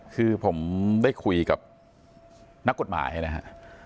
คือผมได้คุยกับนักกฎหมายนะครับ